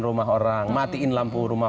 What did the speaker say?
rumah orang matiin lampu rumah